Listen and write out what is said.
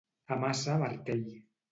A maça martell.